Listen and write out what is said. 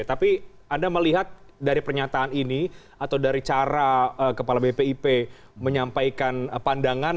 tapi anda melihat dari pernyataan ini atau dari cara kepala bpip menyampaikan pandangan